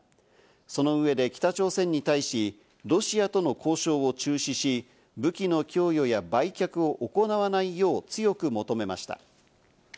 その上で北朝鮮に対し、ロシアとの交渉を中止し、武器の供与や売却を行わないよう強く求めました。